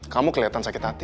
kamu kelihatan sakit hati